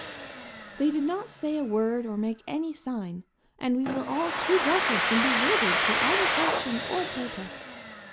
They did not say a word or make any sign, and we were all too breathless and bewildered to either question or protest.